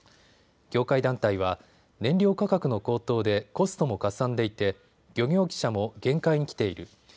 業界団体は燃料価格の高騰でコストもかさんでいて漁業者も限界にきている。